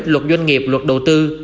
luật doanh nghiệp luật đầu tư